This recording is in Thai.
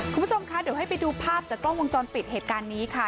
คุณผู้ชมคะเดี๋ยวให้ไปดูภาพจากกล้องวงจรปิดเหตุการณ์นี้ค่ะ